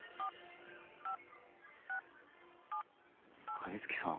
金築さん。